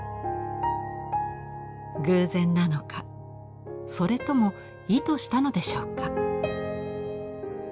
偶然なのかそれとも意図したのでしょうか。